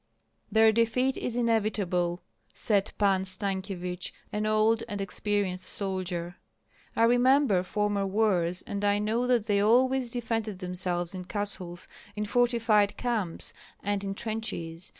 "Their defeat is inevitable!" said Pan Stankyevich, an old and experienced soldier. "I remember former wars, and I know that they always defended themselves in castles, in fortified camps, and in trenches.